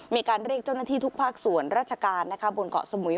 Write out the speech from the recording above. มีการเรียกเจ้าหน้าที่ทุกภาคส่วนราชการบนเกาะสมุย